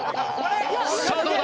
さあどうだ？